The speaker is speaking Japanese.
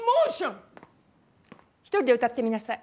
一人で歌ってみなさい。